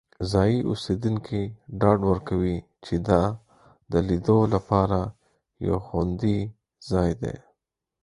ځایی اوسیدونکي ډاډ ورکوي چې دا د لیدو لپاره یو خوندي ځای دی.